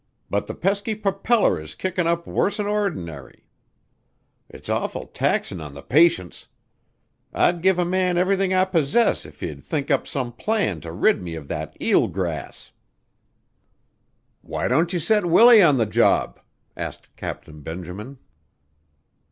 But the pesky propeller is kickin' up worse'n ordinary. It's awful taxin' on the patience. I'd give a man everything I possess if he'd think up some plan to rid me of that eel grass." "Why don't you set Willie on the job?" asked Captain Benjamin.